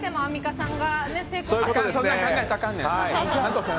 そんなん考えたらあかんねん。